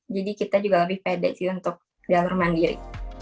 jadi kita juga lebih pede sih untuk jalur mandiri